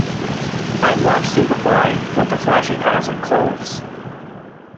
I'd watch Superfly, with the flashy cars and clothes.